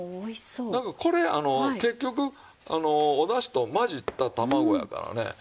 これ結局おだしと混じった卵やからね。